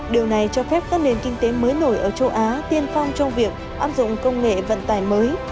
điều này cho phép các nền kinh tế mới nổi ở châu á tiên phong trong việc áp dụng công nghệ vận tải mới